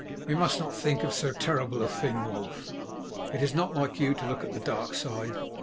"We must not think of so terrible a thing, Wulf. It is not like you to look at the dark side.